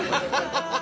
ハハハ！